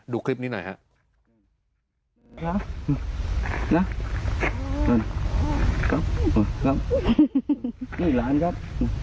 ดูคลิปนี้หน่อยครับ